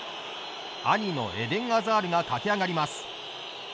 兄のエデン・アザールが駆け上がります。